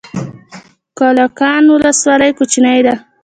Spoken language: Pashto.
کلکان ولسوالۍ کوچنۍ ده؟